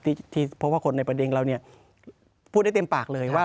เพราะว่าคนในประเด็นเราเนี่ยพูดได้เต็มปากเลยว่า